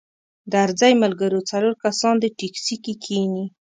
درځئ ملګرو څلور کسان دې ټیکسي کې کښینئ.